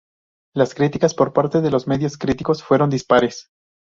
Las críticas por parte de los medios críticos fueron dispares.